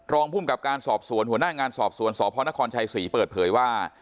รองพุ่มกับการสอบส่วนหัวหน้างานสอบส่วนสพช๔เปิดเผยว่า